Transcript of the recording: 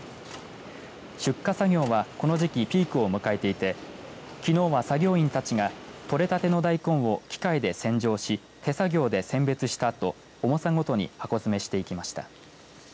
出荷作業はこの時期ピークを迎えていてきのうは、作業員たちが採れたてのダイコンを機械で洗浄し手作業で選別したあと重さごとに箱詰めしていきました。